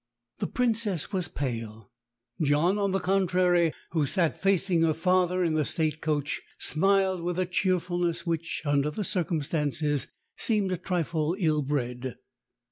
The Princess was pale. John, on the contrary, who sat facing her father in the state coach, smiled with a cheerfulness which, under the circumstances, seemed a trifle ill bred.